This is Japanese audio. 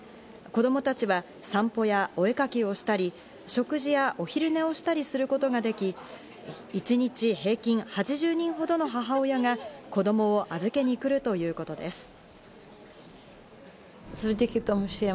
子供たちは散歩やお絵描きをしたり、食事やお昼寝をしたりすることができ、一日平均８０人ほどの母親が子供を預けに来るということです。